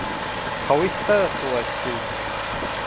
ทวิสเตอร์ ตัวจริง